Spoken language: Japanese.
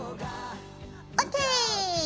ＯＫ！